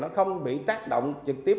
và không bị tác động trực tiếp